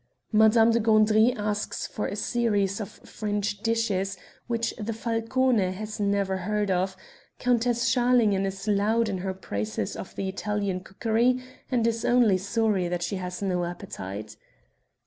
Madame de Gandry asks for a series of French dishes which the 'Falcone' has never heard of Countess Schalingen is loud in her praises of the Italian cookery and is only sorry that she has no appetite.